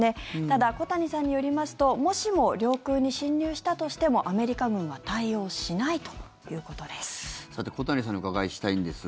ただ、小谷さんによりますともしも領空に侵入したとしてもアメリカ軍は対応しないということです。